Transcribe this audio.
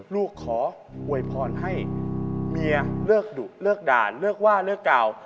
ขออวยพรให้เมียเลิกดุเลิกด่าเลิกว่าเลิกเก่า